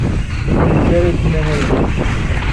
Ur yelli ara yettmahal din.